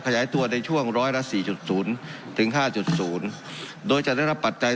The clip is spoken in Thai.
ขยายตัวในช่วงร้อยละ๔๐ถึง๕๐โดยจะได้รับปัจจัย